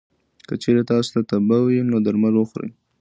که چېرې تاسو ته تبه وي، نو درمل وخورئ.